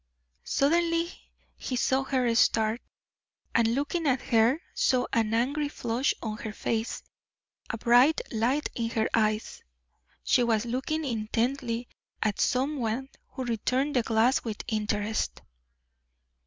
Suddenly he saw her start, and looking at her, saw an angry flush on her face, a bright light in her eyes. She was looking intently at some one who returned the glance with interest.